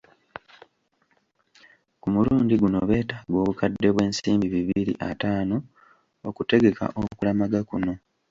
Ku mulundi guno beetaaga obukadde bw’ensimbi bibiri ataano okutegeka okulamaga kuno.